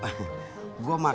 itu karitas rumah